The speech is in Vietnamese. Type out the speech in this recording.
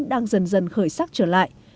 đang dần dần khởi sắc trở lại